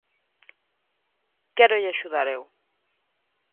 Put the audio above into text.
Quérolle axudar eu.